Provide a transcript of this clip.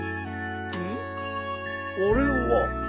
うん？あれは。